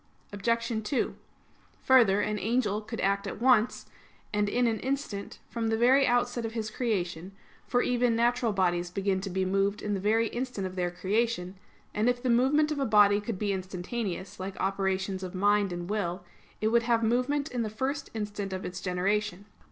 Obj. 2: Further, an angel could act at once, and in an instant, from the very outset of his creation, for even natural bodies begin to be moved in the very instant of their creation; and if the movement of a body could be instantaneous, like operations of mind and will, it would have movement in the first instant of its generation.